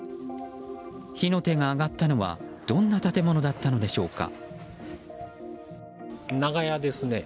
火の手が上がったのはどんな建物だったのでしょうか。